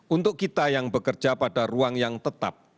untuk kita yang bekerja pada ruang yang tetap